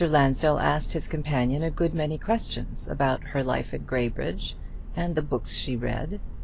Lansdell asked his companion a good many questions about her life at Graybridge, and the books she read.